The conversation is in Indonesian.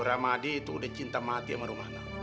ramadi itu udah cinta mati sama rumah